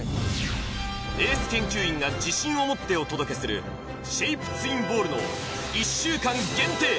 エース研究員が自信を持ってお届けするシェイプツインボールの１週間限定